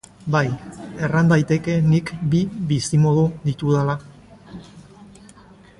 Bai, erran daiteke nik bi bizimodu ditudala.